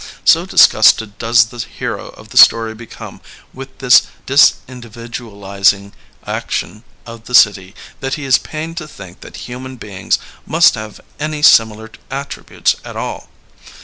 So disgusted does the hero of the story become with this dis individualizing ac tion of the city that he is pained to think that human beings must have any similar attributes at all.